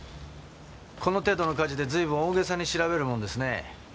この程度の火事で随分大げさに調べるもんですね。